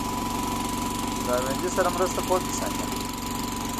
ګاونډي سره مرسته کول انسانیت دی